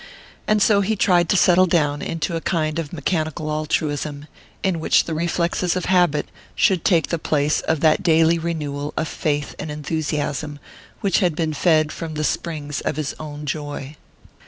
And so he tried to settle down into a kind of mechanical altruism, in which the reflexes of habit should take the place of that daily renewal of faith and enthusiasm which had been fed from the springs of his own joy.